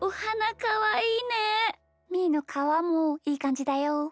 みーのかわもいいかんじだよ！